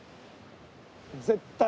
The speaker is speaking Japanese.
絶対。